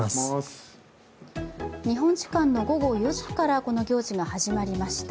日本時間の午後４時からこの行事が始まりました。